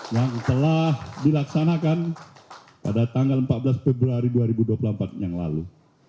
yang telah dilaksanakan pada tanggal empat belas februari dua ribu dua puluh empat yang lalu